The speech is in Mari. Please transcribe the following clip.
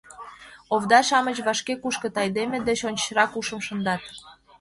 Овда-шамыч вашке кушкыт, айдеме деч ончычрак ушым шындат.